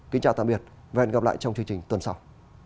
kính chào tạm biệt và hẹn gặp lại trong chương trình tuần sau